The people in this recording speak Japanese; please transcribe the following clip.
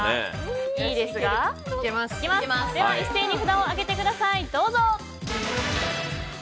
では一斉に札を上げてください！